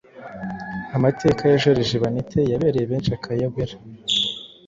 Amateka ya Joriji Baneti yabereye benshi akayobera,